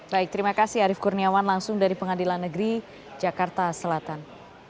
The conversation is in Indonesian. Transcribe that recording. baik terima kasih arief kurniawan langsung dari pengadilan negeri jakarta selatan